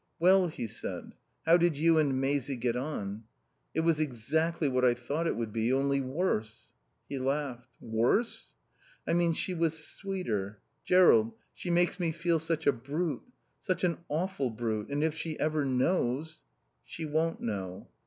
"Well," he said, "how did you and Maisie get on?" "It was exactly what I thought it would be, only worse." He laughed. "Worse?" "I mean she was sweeter.... Jerrold, she makes me feel such a brute. Such an awful brute. And if she ever knows " "She won't know."